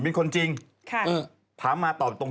สดอยากจะไล่ถามอะไรคุณนิง